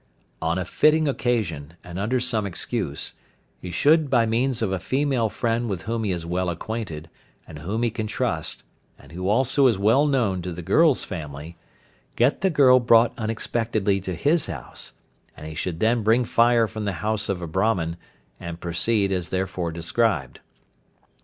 On a fitting occasion, and under some excuse, he should by means of a female friend with whom he is well acquainted, and whom he can trust, and who also is well known to the girl's family, get the girl brought unexpectedly to his house, and he should then bring fire from the house of a Brahman, and proceed as before described.